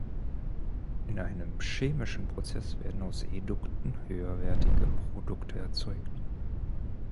In einem chemischen Prozess werden aus Edukten höherwertige Produkte erzeugt.